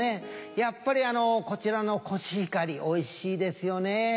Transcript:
やっぱりこちらのコシヒカリおいしいですよね。